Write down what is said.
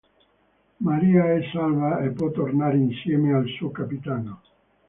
Maria è salva e può tornare insieme al suo capitano.